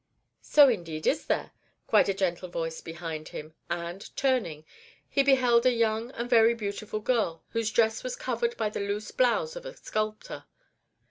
"So indeed is there," cried a gentle voice behind him; and, turning, he beheld a young and very beautiful girl, whose dress was covered by the loose blouse of a sculptor.